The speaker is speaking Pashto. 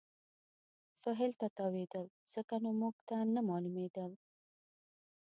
سهېل ته تاوېدل، ځکه نو موږ ته نه معلومېدل.